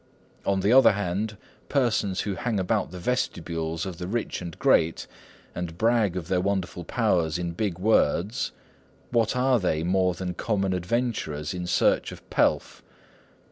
On the other hand, persons who hang about the vestibules of the rich and great, and brag of their wonderful powers in big words,—what are they more than common adventurers in search of pelf?